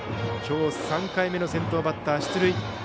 きょう３回目の先頭バッター出塁。